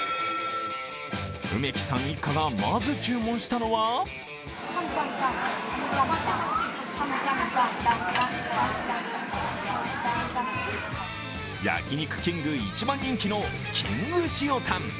梅木さん一家がまず注文したのは焼肉きんぐ一番人気のきんぐ塩タン。